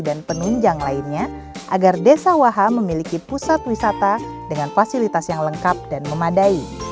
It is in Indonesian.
dan penunjang lainnya agar desa waha memiliki pusat wisata dengan fasilitas yang lengkap dan memadai